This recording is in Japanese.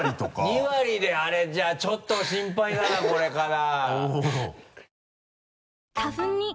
２割であれじゃあちょっと心配だなこれから。